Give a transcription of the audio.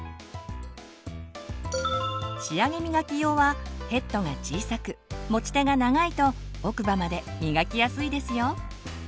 仕上げみがき用はヘッドが小さく持ち手が長いと奥歯までみがきやすいですよ。